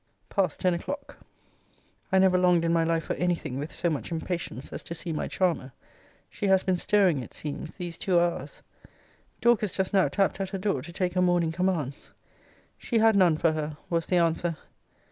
PAST TEN O'CLOCK. I never longed in my life for any thing with so much impatience as to see my charmer. She has been stirring, it seems, these two hours. Dorcas just now tapped at her door, to take her morning commands. She had none for her, was the answer.